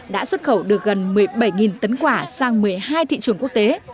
đã xuất khẩu được gần một mươi bảy tấn quả sang một mươi hai thị trường quốc tế